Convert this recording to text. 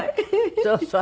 そうそう。